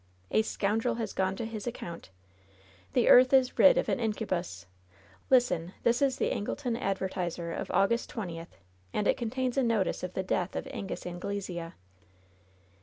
"A scoimdrel has gone to his account ! The earth is rid of an incubus ! Listen ! This is the Angleton Ad vertiser of August 20th, and it contains a notice of the death of Angus Anglesea.'